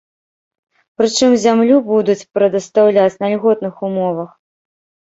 Прычым зямлю будуць прадастаўляць на льготных умовах.